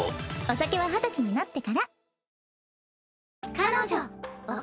お酒は二十歳になってから。